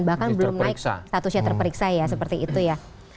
bahkan belum naik statusnya terperiksa ya seperti itu ya